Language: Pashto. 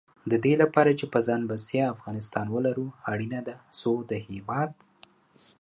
د دې لپاره چې په ځان بسیا افغانستان ولرو، اړینه ده څو د هېواد